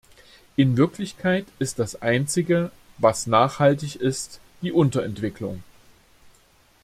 In Wirklichkeit ist das Einzige, was nachhaltig ist, die Unterentwicklung.